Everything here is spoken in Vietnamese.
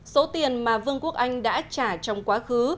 số tiền mà vương quốc anh đã trả trong quá khứ